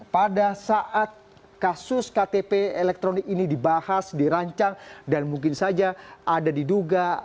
pada saat kasus ktp elektronik ini dibahas dirancang dan mungkin saja ada diduga